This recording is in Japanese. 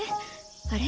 あれ？